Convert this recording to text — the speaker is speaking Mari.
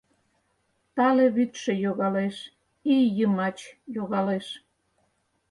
Тале вӱдшӧ йогалеш, Ий йымач йогалеш.